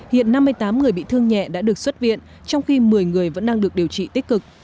hiện năm mươi tám người bị thương nhẹ đã được xuất viện trong khi một mươi người vẫn đang được điều trị tích cực